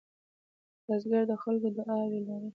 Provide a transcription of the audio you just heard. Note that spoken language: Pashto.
بزګر د خلکو دعاوې لري